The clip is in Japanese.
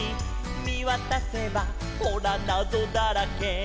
「みわたせばほらなぞだらけ」